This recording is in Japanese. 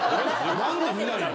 何で見ないの？